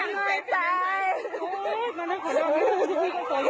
มันมาลูก